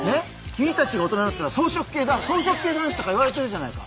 君たちが大人になったら草食草食系男子とか言われてるじゃないか。